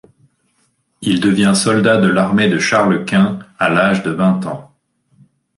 Il devient soldat de l'armée de Charles Quint à l'âge de vingt ans.